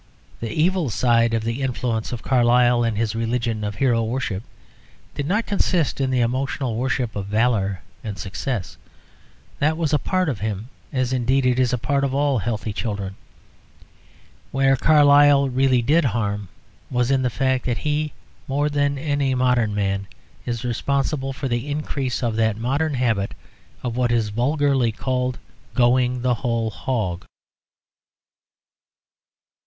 The evil side of the influence of Carlyle and his religion of hero worship did not consist in the emotional worship of valour and success; that was a part of him, as, indeed, it is a part of all healthy children. Where Carlyle really did harm was in the fact that he, more than any modern man, is responsible for the increase of that modern habit of what is vulgarly called "Going the whole hog."